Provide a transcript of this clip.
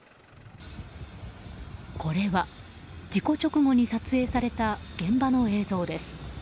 これは、事故直後に撮影された現場の映像です。